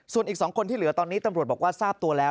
ส่วนอีก๒คนที่เหลือตอนนี้ตำรวจบอกว่าทราบตัวแล้ว